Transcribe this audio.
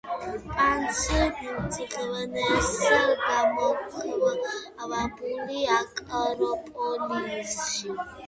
პანს მიუძღვნეს გამოქვაბული აკროპოლისში.